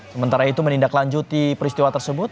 sementara itu menindaklanjuti peristiwa tersebut